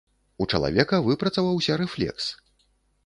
У чалавека выпрацаваўся рэфлекс.